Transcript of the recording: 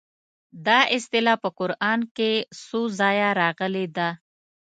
دا اصطلاح په قران کې څو ځایه راغلې ده.